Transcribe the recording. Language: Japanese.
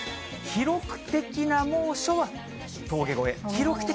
記録的な猛暑は峠越え。